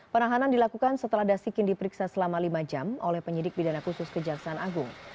penahanan dilakukan setelah dasikin diperiksa selama lima jam oleh penyidik bidana khusus kejaksaan agung